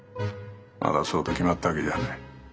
まだそうと決まったわけじゃない。